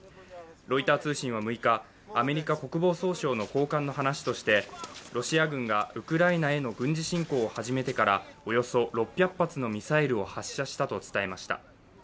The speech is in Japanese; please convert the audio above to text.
ロイター通信は６日、アメリカ国防総省の高官の話としてロシア軍がウクライナへの軍事侵攻を始めてからおよそ６００発のミサイルを発射したと伝えました。